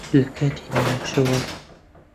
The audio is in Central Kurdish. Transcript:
لە کاتی نیوەشەوا